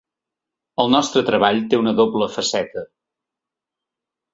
El nostre treball té una doble faceta.